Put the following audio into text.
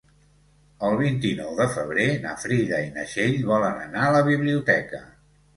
El vint-i-nou de febrer na Frida i na Txell volen anar a la biblioteca.